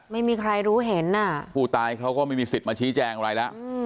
ไม่มีใครรู้เห็นอ่ะผู้ตายเขาก็ไม่มีสิทธิ์มาชี้แจงอะไรแล้ว